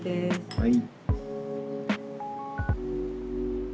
はい。